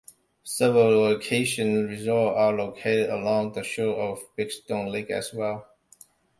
Several vacation resorts are located along the shores of Big Stone Lake as well.